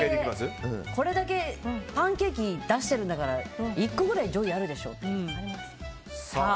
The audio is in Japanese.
これだけパンケーキ出してるんだから１個ぐらい上位あるでしょ。